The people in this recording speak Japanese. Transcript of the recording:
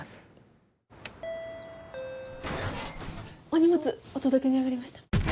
お荷物お届けに上がりました。